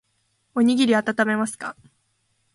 おにぎりあたためますか